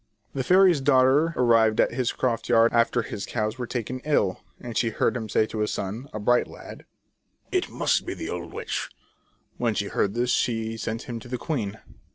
The fairy's daughter arrived at his croft yard after the cows were taken ill, and she heard him say to his son, a bright lad :" It must be the old witch !" When she heard this, she sent him to the queen.